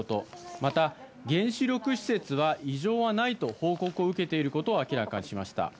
また、原子力施設は異常はないと報告を受けていることを明らかにしました。